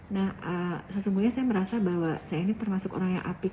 nah sesungguhnya saya merasa bahwa saya ini termasuk orang yang apik